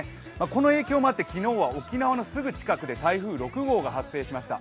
この影響もあって昨日は沖縄のすぐ近くで台風６号が発生しました。